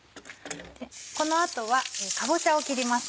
この後はかぼちゃを切ります。